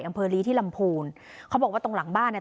อำเภอลีที่ลำพูนเขาบอกว่าตรงหลังบ้านเนี่ย